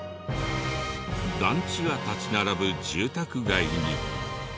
団地が立ち並ぶ住宅街に。